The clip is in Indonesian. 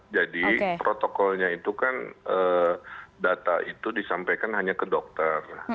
jadi protokolnya itu kan data itu disampaikan hanya ke dokter